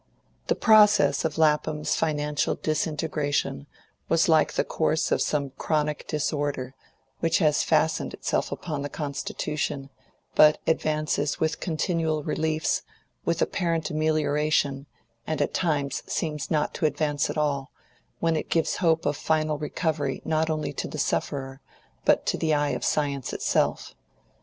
The process of Lapham's financial disintegration was like the course of some chronic disorder, which has fastened itself upon the constitution, but advances with continual reliefs, with apparent amelioration, and at times seems not to advance at all, when it gives hope of final recovery not only to the sufferer, but to the eye of science itself.